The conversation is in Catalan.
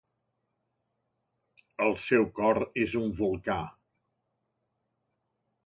El seu cor és un volcà.